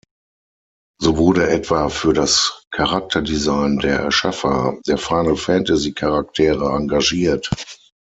So wurde etwa für das Charakter-Design der Erschaffer der Final-Fantasy-Charaktere engagiert.